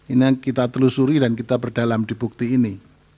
ini yang kita telusuri dan kita berdalam di bukti ini